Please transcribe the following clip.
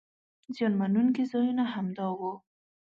زیان مننونکي ځایونه همدا وو.